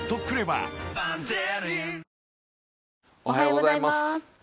おはようございます。